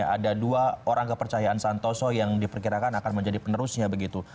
ada dua orang kepercayaan santoso yang diperkirakan akan menjadi penerusnya begitu